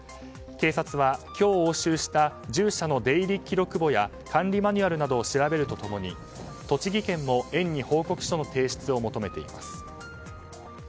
警察は今日押収した獣舎の出入り記録簿や管理マニュアルなどを調べると共に栃木県も、園に報告書の提出を求めています。